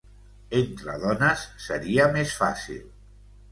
Entre dones seria més fàcil.